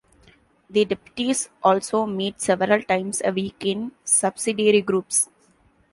The Deputies also meet several times a week in subsidiary groups.